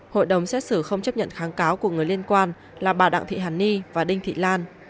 hội đồng xét xử không chấp nhận kháng cáo của người liên quan là bà đặng thị hàn ni và đinh thị lan